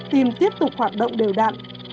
tim tiếp tục hoạt động đều đặn